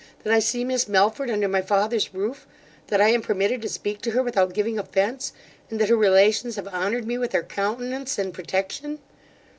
that I see Miss Melford under my father's roof that I am permitted to speak to her without giving offence and that her relations have honoured me with their countenance and protection.